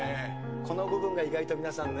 この部分が意外と皆さんね。